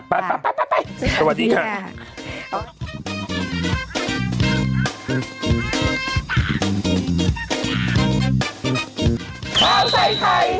ไปไปสวัสดีค่ะ